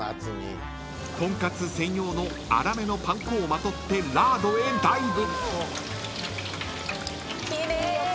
［トンカツ専用の粗めのパン粉をまとってラードへダイブ］